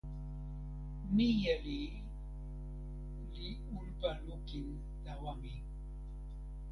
mije ni li unpa lukin tawa mi.